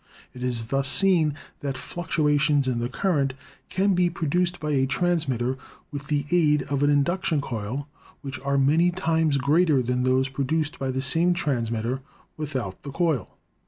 It is thus seen that fluctuations in the current can be produced by a transmitter with the aid of an in duction coil which are many times greater than those produced by the same transmitter without the coil.